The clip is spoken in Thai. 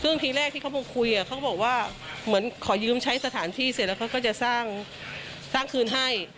ซึ่งทีแรกที่เขามาคุยเขาบอกว่าเหมือนขอยืมใช้สถานที่เสร็จแล้วเขาก็จะสร้างคืนให้